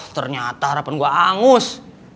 ternyata harapan gue angus